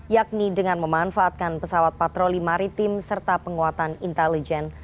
yakni dengan memanfaatkan pesawat patroli maritim serta penguatan intelijen